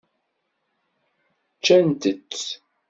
Ččant-tt?